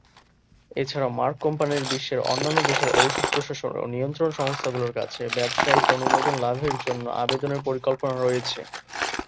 এছাড়াও মার্ক কোম্পানির বিশ্বের অন্যান্য দেশের ঔষধ প্রশাসন ও নিয়ন্ত্রণ সংস্থাগুলোর কাছে ব্যবসায়িক অনুমোদন লাভের জন্য আবেদনের পরিকল্পনা রয়েছে।